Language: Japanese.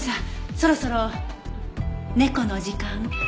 そろそろ猫の時間。